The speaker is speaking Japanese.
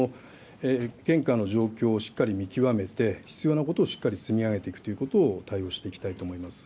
現下の状況をしっかり見極めて、必要なことをしっかり積み上げていくということを対応していきたいと思います。